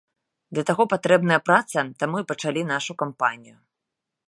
Для таго патрэбная праца, таму і пачалі нашу кампанію.